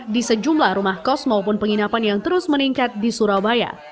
di sejumlah rumah kos maupun penginapan yang terus meningkat di surabaya